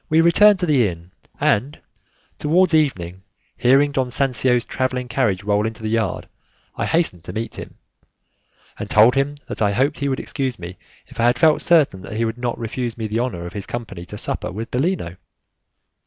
We returned to the inn, and, towards evening, hearing Don Sancio's travelling carriage roll into the yard, I hastened to meet him, and told him that I hoped he would excuse me if I had felt certain that he would not refuse me the honour of his company to supper with Bellino.